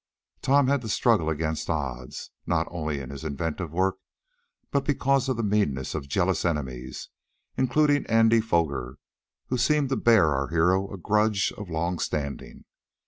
Tom had to struggle against odds, not only in his inventive work, but because of the meanness of jealous enemies, including Andy Foger, who seemed to bear our hero a grudge of long standing.